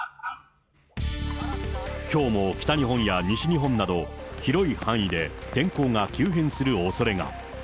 きょうも北日本や西日本など、広い範囲で天候が急変するおそれが。